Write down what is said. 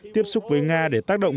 tiếp xúc với nga để tác động